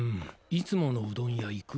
いつものうどん屋行く？